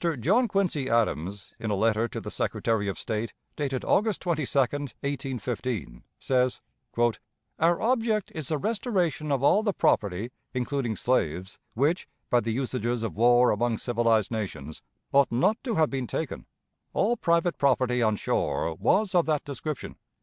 John Quincy Adams, in a letter to the Secretary of State, dated August 22, 1815, says: "Our object is the restoration of all the property, including slaves, which, by the usages of war among civilized nations, ought not to have been taken. All private property on shore was of that description.